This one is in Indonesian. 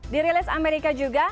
dirilis amerika juga